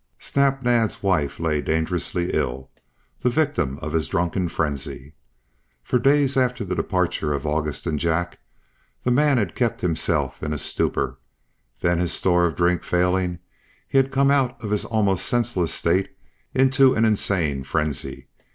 Snap Naab's wife lay dangerously ill, the victim of his drunken frenzy. For days after the departure of August and Jack the man had kept himself in a stupor; then his store of drink failing, he had come out of his almost senseless state into an insane frenzy.